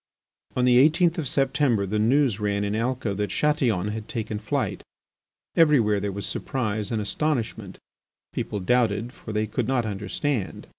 On the eighteenth of September the news ran in Alca that Chatillon had taken flight. Everywhere there was surprise and astonishment. People doubted, for they could not understand.